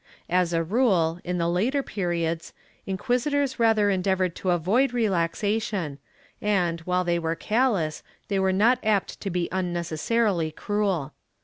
As a rule, in the later periods, inquisitors rather endeavored to avoid relaxation and, while they were callous, they were not apt to be unnecessarily cruel.